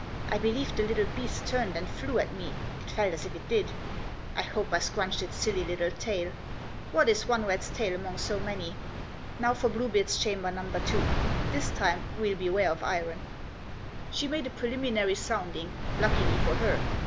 I believe the little beast turned and flew at me, it felt as if it did. I hope I scrunched its silly little tail. What is one rat's tail among so many ? Now for Bluebeard's Chamber No. 2. This time we'll beware of iron." She made a preliminary sounding, luckily for her.